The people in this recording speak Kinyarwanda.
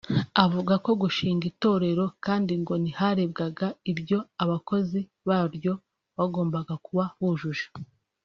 Avuga ko gushinga itorero kandi ngo ntiharebwaga ibyo abakozi baryo bagomba kuba bujuje